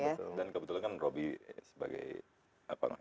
iya betul dan kebetulan kan robby sebagai department itu